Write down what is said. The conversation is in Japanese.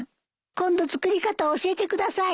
今度作り方教えてください！